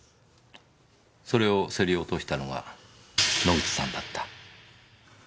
それを競り落としたのが野口さんだった。